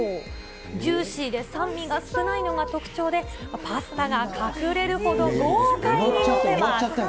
ジューシーで酸味が少ないのが特徴で、パスタが隠れるほど豪快に載せます。